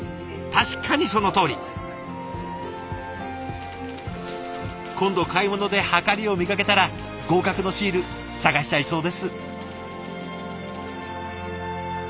確かにそのとおり。今度買い物ではかりを見かけたら合格のシール探しちゃいそうです。